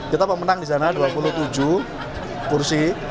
kita pemenang di sana dua puluh tujuh kursi